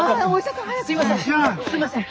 すいません。